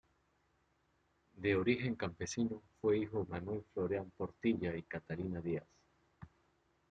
De origen campesino, fue hijo de Manuel Florián Portilla y Catalina Díaz.